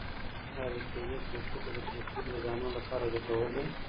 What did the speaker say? آیا د کیلې پوستکی د پوستکي د دانو لپاره ګټور دی؟